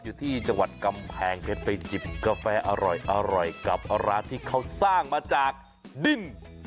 อยู่ที่จังหวัดกำแพงเพชรไปจิบกาแฟอร่อยกับร้านที่เขาสร้างมาจากดิน